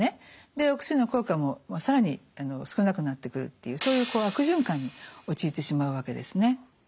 お薬の効果も更に少なくなってくるっていうそういう悪循環に陥ってしまうわけですね。